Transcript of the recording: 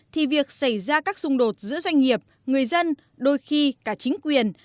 thì việc xảy ra các xung đột giữa doanh nghiệp người dân đôi khi cả chính quyền